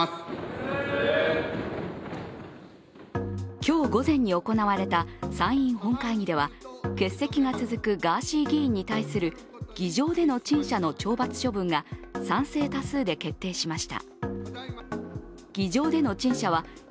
今日午前に行われた参院本会議では欠席が続くガーシー議員に対する議場での陳謝の懲罰処分が賛成多数で決定しました。